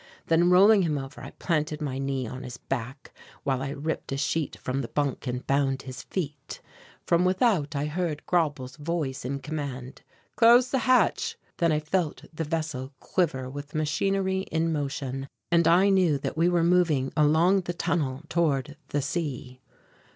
Then rolling him over I planted my knee on his back while I ripped a sheet from the bunk and bound his feet. From without I heard Grauble's voice in command: "Close the hatch." Then I felt the vessel quiver with machinery in motion and I knew that we were moving along the tunnel toward the sea.